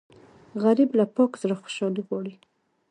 غریب له پاک زړه خوشالي غواړي